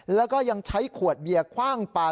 แล้วก็ยังใช้ขวดเบียร์คว่างปลา